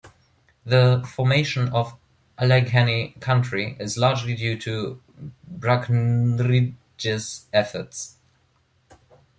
The formation of Allegheny County is largely due to Brackenridge's efforts.